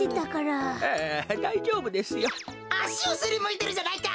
あしをすりむいてるじゃないか！